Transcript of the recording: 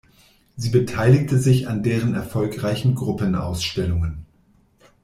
Sie beteiligte sich an deren erfolgreichen Gruppenausstellungen.